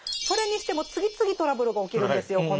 それにしても次々トラブルが起きるんですよ